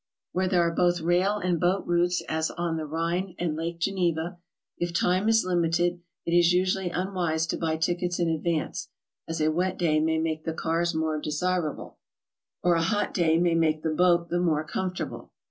Where there are both rail and boat routes, as on the Rhine and Lake Geneva, if time is limited it is usually un wise to buy tickets in advance, as a wet day may make the cars more desirable, or a hot day may make the boat the more comfortable.